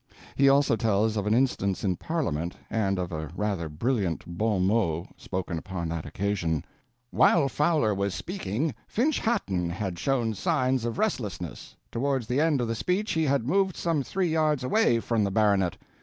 He also tells of an instance in parliament, and of a rather brilliant bon mot spoken upon that occasion. "While Fowler was speaking Finch Hatton had shewn signs of restlessness; towards the end of the speech he had moved some three yards away from the Baronet.